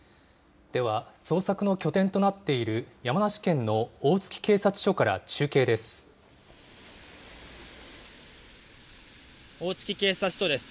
では、捜索の拠点となっている山梨県の大月警察署から中継です。